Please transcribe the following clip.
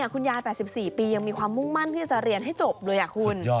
คุณยาย๘๔ปียังมีความมุ่งมั่นที่จะเรียนให้จบเลยคุณ